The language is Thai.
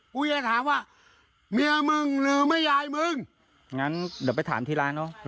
กูจะถามว่าเมียมึงหรือไม่ยายมึงงั้นเดี๋ยวไปถามที่ร้านเนอะ